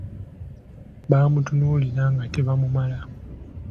Baamutunuulira nga tebamumala.